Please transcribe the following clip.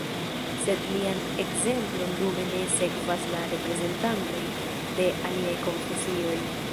Sed lian ekzemplon dume ne sekvas la reprezentantoj de aliaj konfesioj.